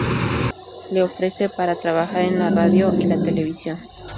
Le ofrece para trabajar en la radio y la televisión.